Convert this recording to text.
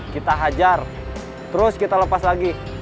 kita hajar terus kita lepas lagi